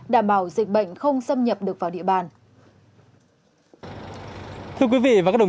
đảm bảo dịch bệnh không xâm nhập được vào địa bàn